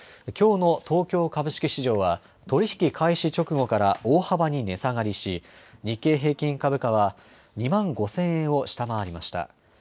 きょうの東京株式市場は取り引き開始直後から大幅に値下がりし、日経平均株価は２万５０００円を下回りました。